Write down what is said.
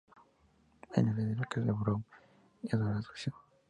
Es la ley en la casa de los Brown y adora la actuación.